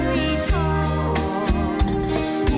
เสียงรัก